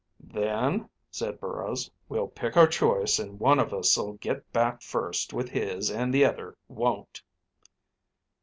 "Then," said Burrows, "we'll pick our choice and one of us'll get back first with his and the other won't."